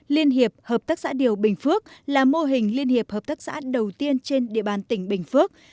liên hiệp hợp tác xã điều bình phước là mô hình liên hiệp hợp tác xã đầu tiên trên địa bàn tỉnh bình phước